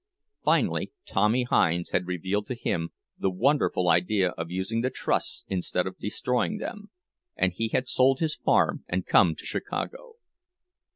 Finally, Tommy Hinds had revealed to him the wonderful idea of using the trusts instead of destroying them, and he had sold his farm and come to Chicago.